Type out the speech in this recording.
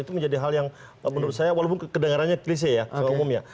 itu menjadi hal yang menurut saya walaupun kedengarannya klise ya umumnya